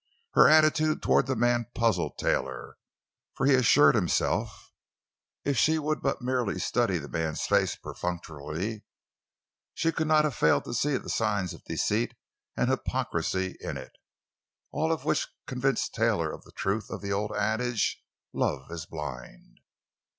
Her attitude toward the man puzzled Taylor, for, he assured himself, if she would but merely study the man's face perfunctorily she could not have failed to see the signs of deceit and hypocrisy in it. All of which convinced Taylor of the truth of the old adage: "Love is blind."